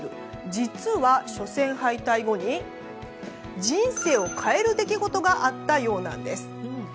実は初戦敗退後に人生を変える出来事があったようなんです。